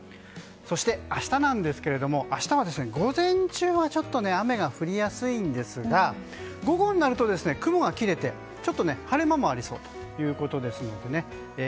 そして、明日なんですが明日は、午前中はちょっと雨が降りやすいんですが午後になると雲が切れて晴れ間もありそうです。